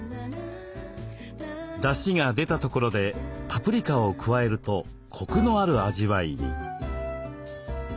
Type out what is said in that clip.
だしが出たところでパプリカを加えるとコクのある味わいに。